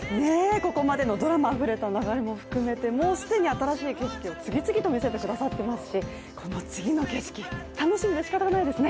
ここまでのドラマ、流れも含めてもう既に新しい景色を次々と見せてくださっていますしこの次の景色、楽しみでしかたがないですね。